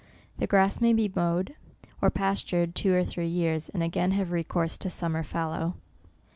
The grass may be mowed, or pastured two or three jears, and again have recourse to summer fallow.